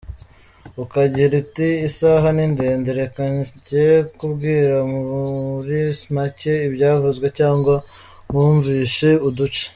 Ukagira uti isaha ni ndende reka njye kubwira muri make ibyavuzwe cyangwa nkumvishe uduce.